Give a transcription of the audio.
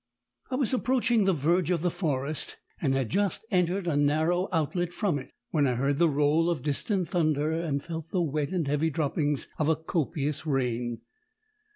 "I was approaching the verge of the forest, and had just entered a narrow outlet from it, when I heard the roll of distant thunder and felt the wet and heavy droppings of a copious rain.